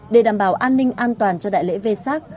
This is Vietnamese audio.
để đảm bảo an ninh an toàn cho đại lễ vê sát